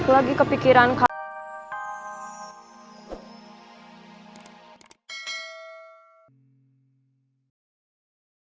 lagi kepikiran kamu